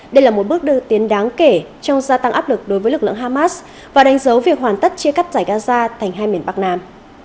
đây là một bước đưa tiến đáng kể trong gia tăng áp lực đối với lực lượng hamas và đánh dấu việc hoàn tất chia cắt giải gaza thành hai miền bắc nam